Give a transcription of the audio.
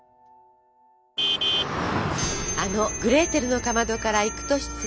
あの「グレーテルのかまど」から幾年月。